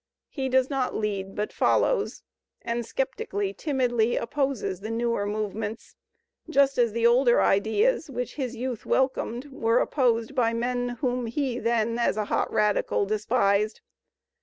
He does not lead, but follows, and sceptically, timidly opposes the newer movements, just as the older ideas which his youth welcomed were opposed by men whom he then, as a hot radical, despised.